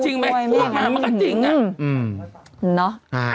จริงมั้ยพ่อแม่อาจจะต้องแบบพูดด้วย